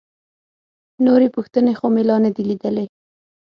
نورې پوښتنې خو مې لا نه دي لیدلي.